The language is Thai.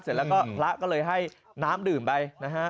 เสร็จแล้วก็พระก็เลยให้น้ำดื่มไปนะฮะ